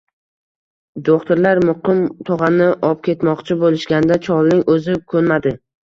Do`xtirlar Muqim tog`ani opketmoqchi bo`lishganda, cholning o`zi ko`nmadi